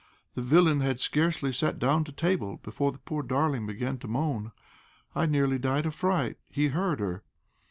The villain had scarcely sat down to table before the poor darling began to moan. I nearly died of fright. He heard her."